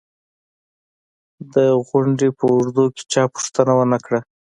د غونډې په اوږدو کې چا پوښتنه و نه کړه